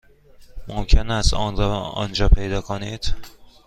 ممکن است آن را آنجا پیدا کنید.